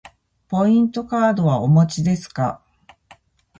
ポイントカードはお持ちですか。